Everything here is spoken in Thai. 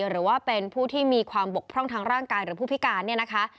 หรือว่าเป็นผู้ที่มีความบกพร่องทางร่างกายหรือผู้พิการเนี่ยนะคะ